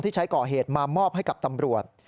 ใช้ก่อเหตุมามอบให้กับตำรวจ